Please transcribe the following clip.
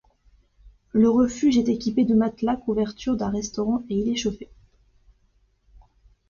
Le refuge est équipé de matelas, couvertures, d'un restaurant et il est chauffé.